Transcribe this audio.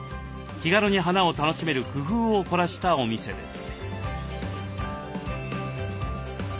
気軽に花を楽しめる工夫を凝らしたお店です。